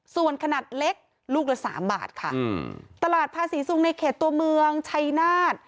ส่วนขนาดเล็กลูกละสามบาทค่ะอืมตลาดภาษีซุงในเขตตัวเมืองชัยนาฏ